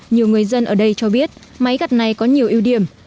nhiều người dân ở đây cho biết máy gặt này có nhiều ưu điểm